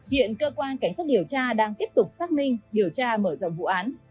hiện cơ quan cảnh sát điều tra đang tiếp tục xác minh điều tra mở rộng vụ án